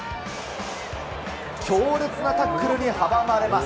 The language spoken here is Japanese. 強烈なタックルに阻まれます。